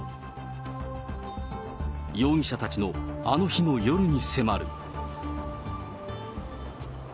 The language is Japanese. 容疑者たちのあの日の夜に迫る。